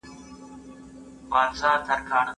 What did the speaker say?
په ټولنه کې بې باوري ډیره سوې ده.